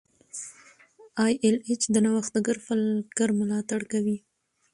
ای ایل ایچ د نوښتګر فکر ملاتړ کوي.